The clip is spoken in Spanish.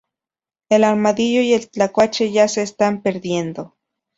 El armadillo y el tlacuache ya se están perdiendo.